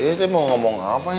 ini saya mau ngomong apa ya